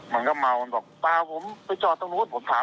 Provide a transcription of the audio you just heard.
มันก็เมามันบอกเปล่าผมไปจอดตรงนู้นผมถาม